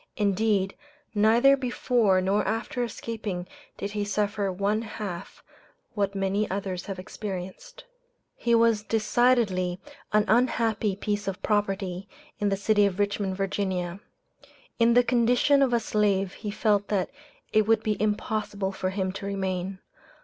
Indeed, neither before nor after escaping did he suffer one half what many others have experienced. He was decidedly an unhappy piece of property in the city of Richmond, Va. In the condition of a slave he felt that it would be impossible for him to remain.